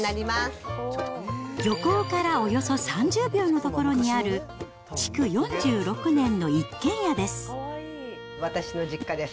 漁港からおよそ３０秒の所に私の実家です。